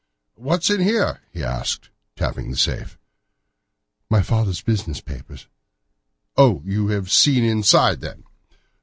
"What's in here?" he asked, tapping the safe. "My stepfather's business papers." "Oh! you have seen inside, then?"